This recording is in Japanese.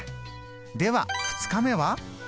では２日目は？